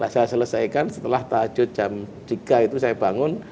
saya selesaikan setelah tahajud jam tiga itu saya bangun